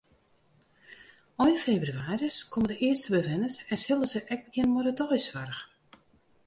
Ein febrewaris komme de earste bewenners en sille se ek begjinne mei deisoarch.